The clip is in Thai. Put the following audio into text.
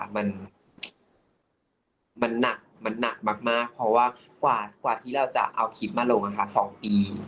มันหนักมากผมกว่าเราจะเอาคลิปมาลง๒ปี